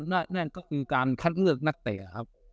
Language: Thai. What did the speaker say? นั่นก็คือการคัดเลือกนักเตะครับ